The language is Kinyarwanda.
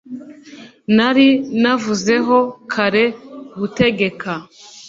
nari navuzeho kare, gutegeka